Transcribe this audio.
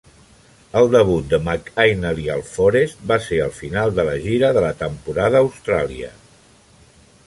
El debut de McInally al Forest va ser al final de la gira de la temporada a Austràlia.